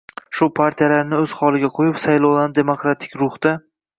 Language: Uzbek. shu partiyalarni o‘z holiga qo‘yib, saylovlarni demokratik ruhda